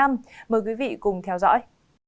mời quý vị cùng theo dõi